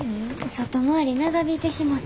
外回り長引いてしもて。